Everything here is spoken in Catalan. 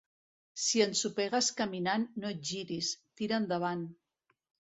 Si ensopegues caminant, no et giris, tira endavant.